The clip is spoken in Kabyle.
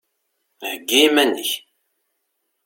Heyyi iman-ik!